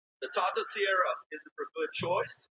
د ژوند عزت یوازي لایقو ته نه سي ښودل کېدلای.